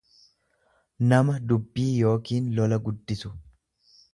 nama dubbii yookiin lola guddisu.